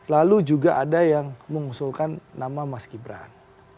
lalu juga ada yang mengusulkan nama mas gibran